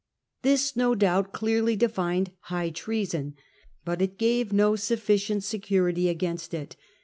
This, no doubt, clearly defined high treason, but it gave no sufficient security against it.